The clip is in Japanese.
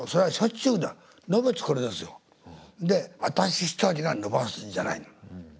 で私一人が延ばすんじゃないの。